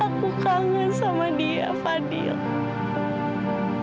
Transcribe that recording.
aku kangen sama dia fadil